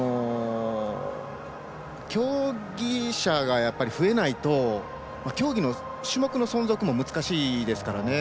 競技者が増えないと競技の種目の存続も難しいですからね。